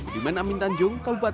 di manamin tanjung kalubatan